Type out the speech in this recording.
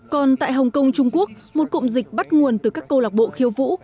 còn tại hồng kông trung quốc một cụm dịch bắt nguồn từ các câu lạc bộ khiêu vũ